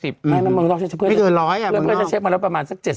๔๐บาทเพื่อนเพื่อนเช็คมาแล้วประมาณสัก๗๐บาท